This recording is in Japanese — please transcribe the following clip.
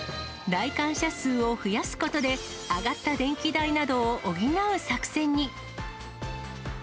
来館者数を増やすことで、上がった電気代などを補う作戦に。